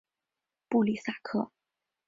布里萨克。